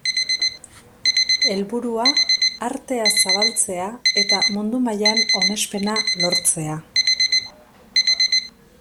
Helburua, artea zabaltzea eta mundu mailan onespena lortzea.